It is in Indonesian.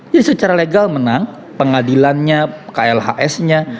jadi secara legal menang pengadilannya klhs nya